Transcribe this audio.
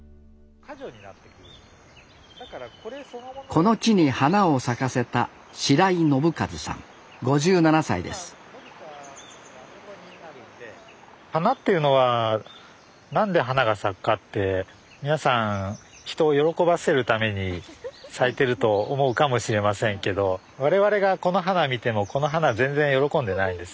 この地に花を咲かせた花っていうのは何で花が咲くかって皆さん人を喜ばせるために咲いてると思うかもしれませんけど我々がこの花見てもこの花全然喜んでないんです。